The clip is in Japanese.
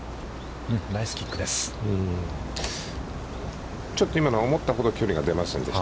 ナイスキックです。